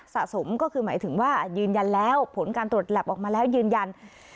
สะสมก็คือหมายถึงว่ายืนยันแล้วผลการตรวจแหลบออกมาแล้วยืนยัน